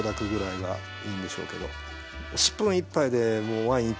はい。